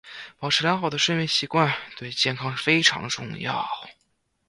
保持良好的睡眠习惯对健康非常重要。